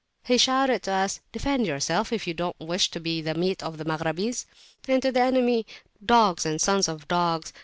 He shouted to us "Defend yourselves if you don't wish to be the meat of the Maghrabis!" and to the enemy "Dogs and sons of dogs!